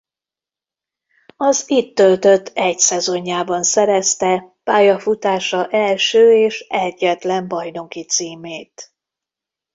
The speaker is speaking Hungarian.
Az itt töltött egy szezonjában szerezte pályafutása első és egyetlen bajnoki címét.